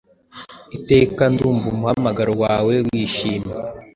Iteka Ndumva umuhamagaro wawe wishimye,